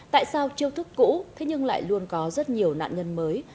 tại sao chiêu thức cũ thế nhưng lại luôn có rất nhiều nạn nhân mới